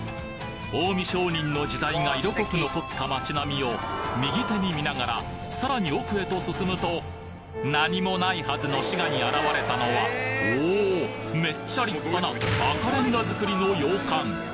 近江商人の時代が色濃く残った街並みを右手に見ながらさらに奥へと進むと何もないはずの滋賀に現れたのはおおめっちゃ立派な赤レンガづくりの洋館